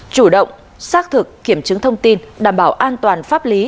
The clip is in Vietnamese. chủ động xác thực kiểm chứng thông tin đảm bảo an toàn pháp lý